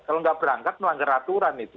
kalau nggak berangkat melanggar aturan itu